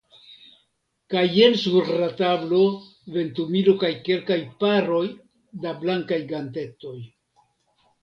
Kaj jen sur la tablo ventumilo kaj kelkaj paroj da blankaj gantetoj.